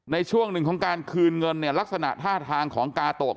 ในช่วงหนึ่งของการคืนเงินเนี่ยลักษณะท่าทางของกาโตะ